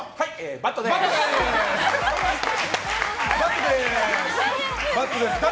バッドです。